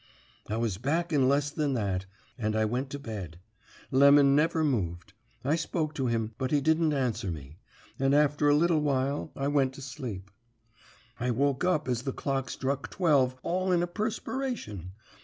"I was back in less than that, and I went to bed. Lemon never moved. I spoke to him, but he didn't answer me; and after a little while I went to sleep. "I woke up as the clock struck twelve all in a prespiration.